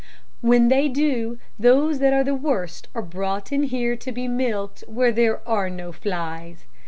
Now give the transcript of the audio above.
"When they do, those that are the worst are brought in here to be milked where there are no flies.